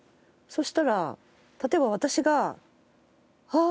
そしたら例えば私があっ！